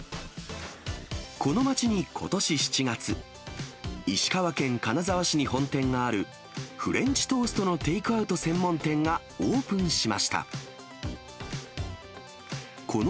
この街にことし７月、石川県金沢市に本店があるフレンチトーストのテイクアウト専門店がオープンしました。